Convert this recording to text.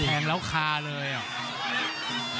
แทงแล้วคาเลยอ่ะ